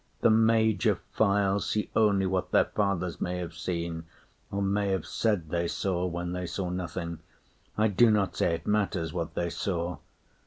The major file See only what their fathers may have seen, Or may have said they saw when they saw nothing. I do not say it matters what they saw.